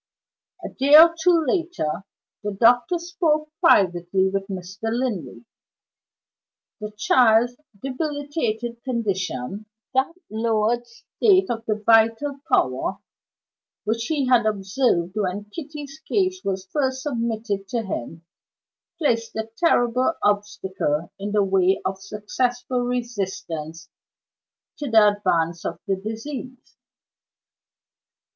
A day or two later, the doctor spoke privately with Mr. Linley. The child's debilitated condition that lowered state of the vital power which he had observed when Kitty's case was first submitted to him placed a terrible obstacle in the way of successful resistance to the advance of the disease.